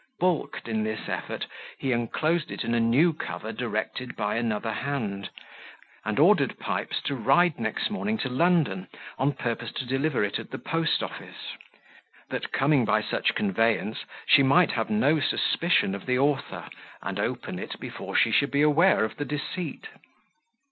Balked in this effort, he inclosed it in a new cover directed by another hand, and ordered Pipes to ride next morning to London, on purpose to deliver it at the post office; that coming by such conveyance she might have no suspicion of the author, and open it before she should be aware of the deceit.